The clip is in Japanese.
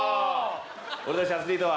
俺たちアスリートは。